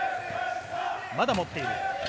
まだ持っている。